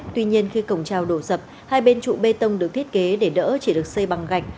tuy nhiên khi cổng trào đổ sập hai bên trụ bê tông được thiết kế để đỡ chỉ được xây bằng gạch